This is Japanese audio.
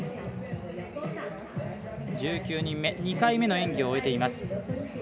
１９人目２回目の演技を終えています。